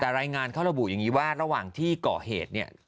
แต่รายงานเขาระบุอย่างนี้ว่าระหว่างที่ก่อเหตุเนี่ย